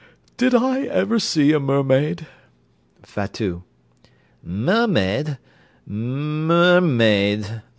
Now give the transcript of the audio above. did I ever see a mermaid? FATOUT Mermaid! mer r m m aid!